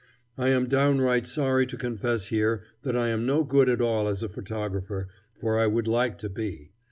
I am downright sorry to confess here that I am no good at all as a photographer, for I would like to be.